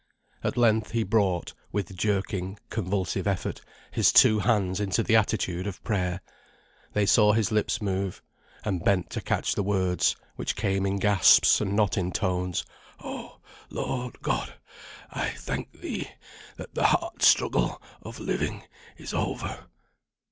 At length he brought (with jerking, convulsive effort) his two hands into the attitude of prayer. They saw his lips move, and bent to catch the words, which came in gasps, and not in tones. "Oh Lord God! I thank thee, that the hard struggle of living is over."